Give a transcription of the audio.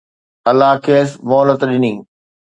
الله کيس مهلت ڏني